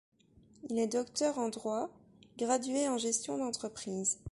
Il est docteur en droit, gradué en gestion d'entreprises.